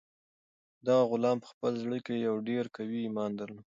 دغه غلام په خپل زړه کې یو ډېر قوي ایمان درلود.